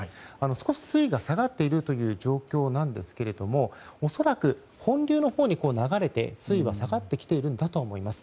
少し水位が下がっている状況ですが恐らく、本流のほうに流れて、水位は下がっているんだと思います。